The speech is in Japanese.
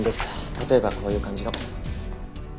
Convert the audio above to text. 例えばこういう感じの。